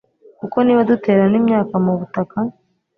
kuko niba dutera n'imyaka mu butaka